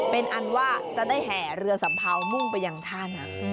เป็นอันว่าจะได้แห่เรือสัมเภามุ่งไปยังท่านะ